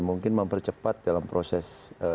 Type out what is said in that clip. mempercepat dalam proses